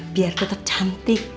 biar tetap cantik